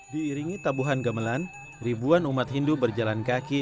diiringi tabuhan gamelan ribuan umat hindu berjalan kaki